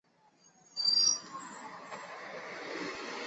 这是因为未进行耕地重划就进行开发所造成的现象。